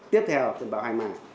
tiếp theo là cơn bão hai mươi